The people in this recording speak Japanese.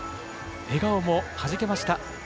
笑顔もはじけました。